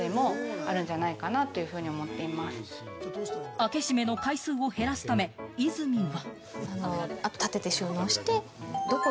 開け閉めの回数を減らすため、和泉は。